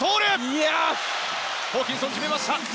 ホーキンソン決めました！